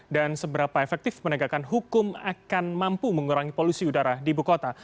dan seberapa efektif menegakkan hukum akan mampu mengurangi polusi udara di bukota